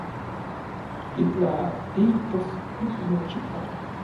Kitlaatijtos ik nochipa.